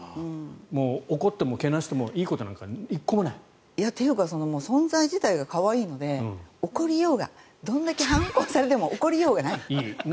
怒っても、けなしてもいいことなんか１個もない？というか存在自体が可愛いので怒りようがどれだけ反抗されても怒りようがない。